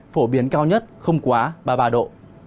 phổ biến cao nhất không quá ba mươi ba độ